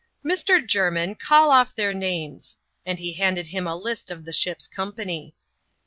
" Mr. Jermin, call off their names ;" and he handed him a ist of the ship's company.